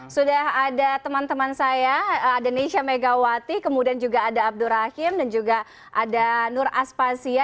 sudah ada teman teman saya ada nesya megawati kemudian juga ada abdur rahim dan juga ada nur aspasya